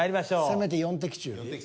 せめて４的中。